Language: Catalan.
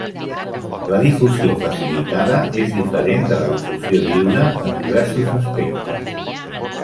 La difusió facilitada és diferent de la difusió lliure en diversos aspectes.